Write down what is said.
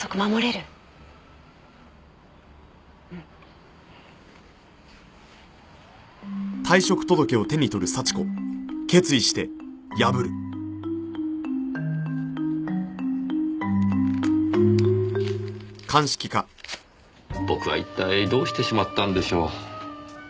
僕は一体どうしてしまったんでしょう。